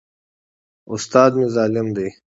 استاد مي ظالم دی.